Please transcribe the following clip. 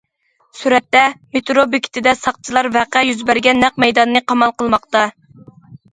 سۈرەتتە: مېترو بېكىتىدە ساقچىلار ۋەقە يۈز بەرگەن نەق مەيداننى قامال قىلماقتا.